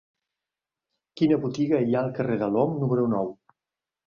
Quina botiga hi ha al carrer de l'Om número nou?